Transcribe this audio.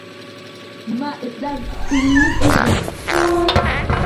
Nima, itlar uvillab o`ladimi